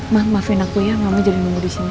maafin aku ya mama jadi nunggu disini